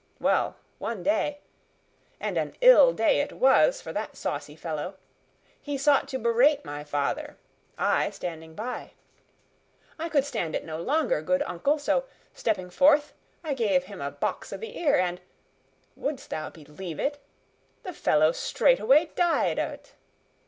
Well, one day and an ill day it was for that saucy fellow he sought to berate my father, I standing by. I could stand it no longer, good uncle, so, stepping forth, I gave him a box o' the ear, and wouldst thou believe it? the fellow straightway died o't.